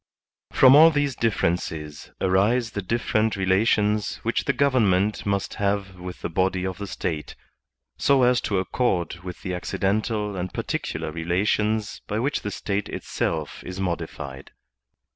From all these differences arise the different relations which the government must have with the body of the State, so as to accord with the accidental and particular relations by which the State itself is modified.